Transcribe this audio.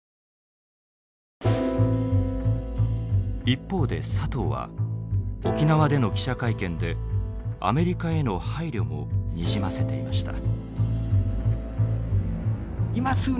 一方で佐藤は沖縄での記者会見でアメリカへの配慮もにじませていました。